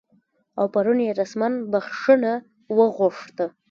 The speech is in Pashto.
او پرون یې رسما بخښنه وغوښته